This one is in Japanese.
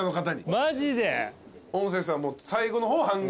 マジで？